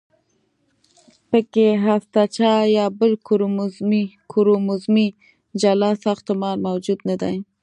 پکې هستچه یا بل کروموزومي جلا ساختمان موجود نه دی.